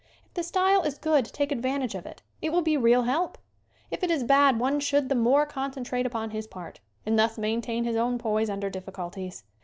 If the style is good take advantage of it. It will be real help. If it is bad one should the more concentrate upon his part and thus maintain his own poise under diffculties.